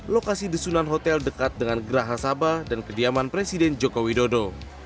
lokasi desunan hotel dekat dengan gerah hasabah dan kediaman presiden joko widodo